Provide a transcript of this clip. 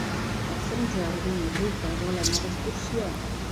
Per Sant Jordi na Rita vol anar d'excursió.